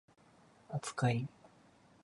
扱い